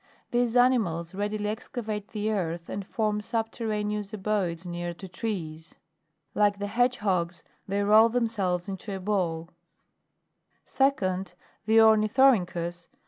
These animals readily excavate the earth, and form subterraneous abodes near to trees. Like the hedgehogs, they roll themselves into a ball. 12. 2d. The ORNITHORYNCHUS, (Plate 4.